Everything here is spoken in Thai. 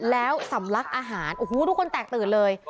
แล้วสำลักอาหารโอ้โหทุกคนแตกตื่นเลย